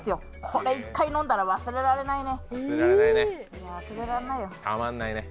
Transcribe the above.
これ１回飲んだら、忘れられないね、忘れられないよ。